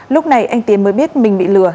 lúc này anh tiến mới biết mình bị lừa